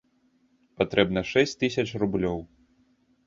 Патрэбна шэсць тысяч рублёў.